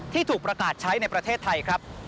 ที่ถูกประกาศใช้ในประเทศไทยครับ